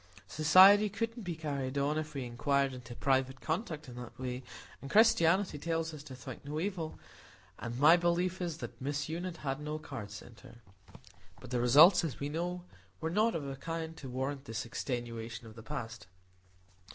Society couldn't be carried on if we inquired into private conduct in that way,—and Christianity tells us to think no evil,—and my belief is, that Miss Unit had no cards sent her." But the results, we know, were not of a kind to warrant this extenuation of the past.